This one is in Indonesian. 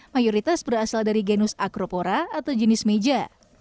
mayoritas berasal dari genus acropora atau jenis meja